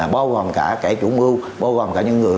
bao gồm cả cái chủ mưu bao gồm cả những người